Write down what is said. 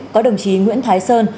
có đồng chí nguyễn thái sơn